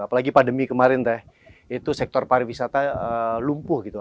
apalagi pandemi kemarin teh itu sektor pariwisata lumpuh gitu